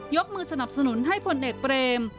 มือสนับสนุนให้พลเอกเบรม